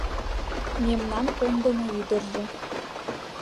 Мемнан кондымо ӱдыржӧ